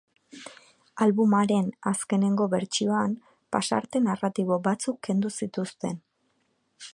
Albumaren azkenengo bertsioan pasarte narratibo batzuk kendu zituzten.